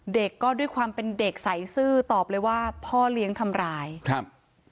เด็กก็ด้วยความเป็นเด็กใส่ซื่อตอบเลยว่าพ่อเลี้ยงทำร้ายครับ